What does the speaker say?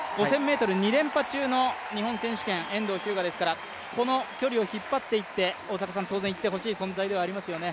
５０００ｍ２連覇中の日本選手権、遠藤日向ですからこの距離を引っ張っていってほしい存在ではありますよね。